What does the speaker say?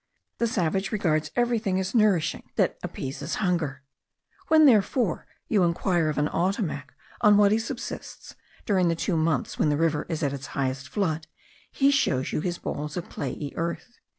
The savage regards every thing as nourishing that appeases hunger: when, therefore, you inquire of an Ottomac on what he subsists during the two months when the river is at its highest flood he shows you his balls of clayey earth.